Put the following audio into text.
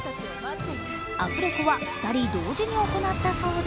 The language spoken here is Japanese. アフレコは２人同時に行ったそうで